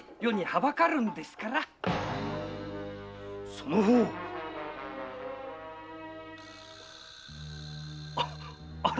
その方あら？